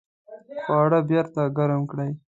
خواړه بیرته ګرم کړئ